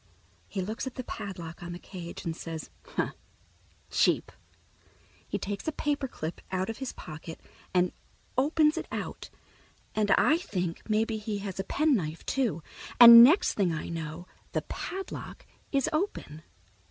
He looks at the padlock on the cage and says, "Huh, cheap!" He takes a paper clip out of his pocket and opens it out, and I think maybe he has a penknife, too, and next thing I know the padlock is open.